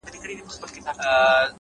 علم د فکر جوړښت بدلوي’